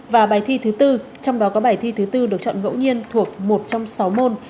và bài thi thứ tư trong đó có bài thi thứ bốn được chọn ngẫu nhiên thuộc một trong sáu môn